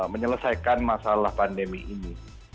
menyelesaikan masalah pandemi ini